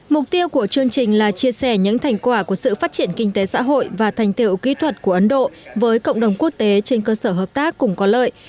mục tiêu của chương trình là chia sẻ những thành quả của sự phát triển kinh tế xã hội và thành tiệu kỹ thuật của ấn độ với cộng đồng quốc tế trên cơ sở hợp tác cùng có lợi